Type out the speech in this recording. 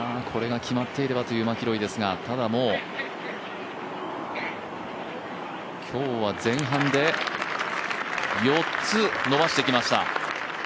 これが決まっていればというマキロイですがただ、もう今日は前半で４つ伸ばしてきました。